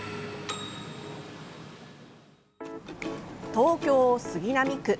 東京・杉並区。